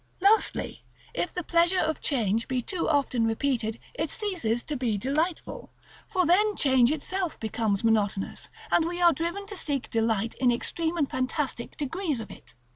Lastly: if the pleasure of change be too often repeated, it ceases to be delightful, for then change itself becomes monotonous, and we are driven to seek delight in extreme and fantastic degrees of it.